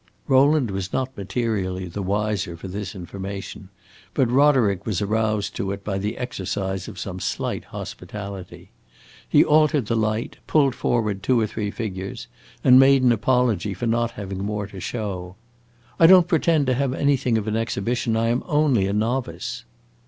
Rowland was not materially the wiser for this information, but Roderick was aroused by it to the exercise of some slight hospitality. He altered the light, pulled forward two or three figures, and made an apology for not having more to show. "I don't pretend to have anything of an exhibition I am only a novice."